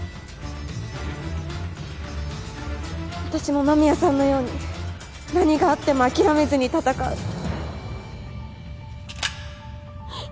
私も間宮さんのように何があっても諦めずに戦う。